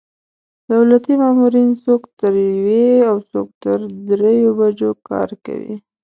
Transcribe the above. دولتي مامورین څوک تر یوې او څوک تر درېیو بجو کار کوي.